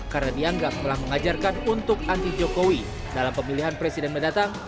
karena dianggap telah mengajarkan untuk anti jokowi dalam pemilihan presiden mendatang